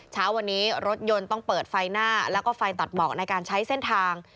เช้าวันนี้รถยนต์ต้องเปิดไฟหน้าแล้วก็ไฟตัดเบาะในการใช้เส้นทาง